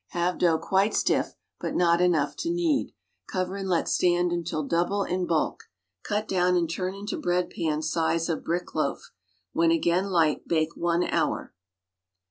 Have dough quite stiff, but not enough to knead, (over and let stand until double in bulk. Cut down and turn into bread pan size of brick loaf. When again light, bake one hour.